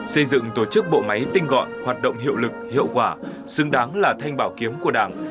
xây dựng tổ chức bộ máy tinh gọn hoạt động hiệu lực hiệu quả xứng đáng là thanh bảo kiếm của đảng